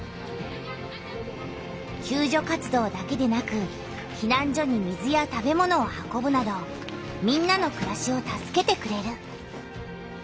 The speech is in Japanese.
救助活動だけでなくひなん所に水や食べ物を運ぶなどみんなのくらしを助けてくれる。